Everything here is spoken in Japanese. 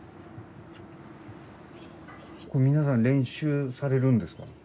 皆さん練習されるんですか？